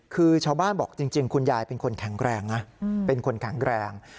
คือชาวบ้านบอกจริงคุณยายเป็นคนแข็งแรง